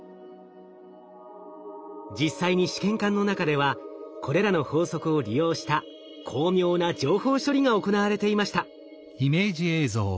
実際に試験管の中ではこれらの法則を利用した巧妙な情報処理が行われていました。